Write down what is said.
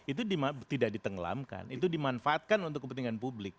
itu tidak ditenggelamkan itu dimanfaatkan untuk kepentingan publik